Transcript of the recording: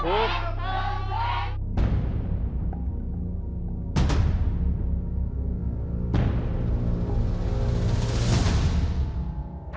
ถูกถูกถูกถูก